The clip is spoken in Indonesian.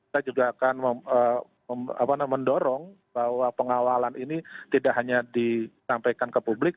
kita juga akan mendorong bahwa pengawalan ini tidak hanya disampaikan ke publik